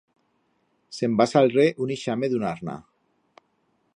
Se'n va salre un ixame d'un arna.